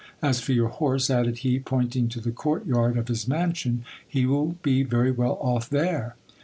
As for your horse, added he, pointing to the court yard of his mansion, he will be very well off there.